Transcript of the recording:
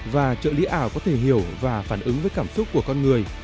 và trợ lý ảo có thể hiểu và phản ứng với cảm xúc của con người